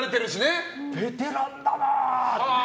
ベテランだなって。